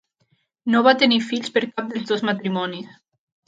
No va tenir fills per cap dels dos matrimonis.